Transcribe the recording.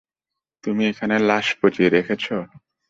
তুমি এখানে লাশ পচিয়ে রেখেছ?